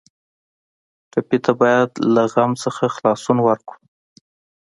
ټپي ته باید له غم نه خلاصون ورکړو.